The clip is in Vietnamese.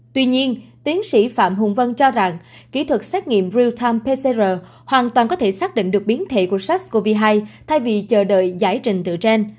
tuy nhiên tiến sĩ phạm hùng vân cho rằng kỹ thuật xét nghiệm real time pcr hoàn toàn có thể xác định được biến thể của sars cov hai thay vì chờ đợi giải trình từ gen